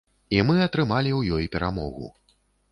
І мы атрымалі ў ёй перамогу.